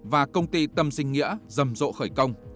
và công ty tâm sinh nghĩa rầm rộ khởi công